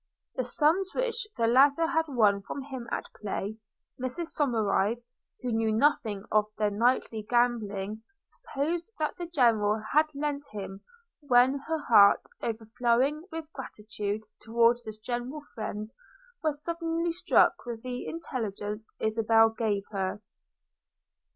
The sums which the latter had won from him at play – Mrs Somerive, who knew nothing of their nightly gambling, supposed the General had lent him; when her heart, overflowing with gratitude towards this generous friend, was suddenly struck with the intelligence Isabella gave her.